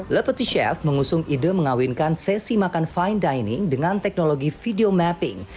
lepeti chef mengusung ide mengawinkan sesi makan fine dining dengan teknologi video mapping